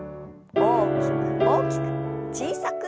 大きく大きく小さく。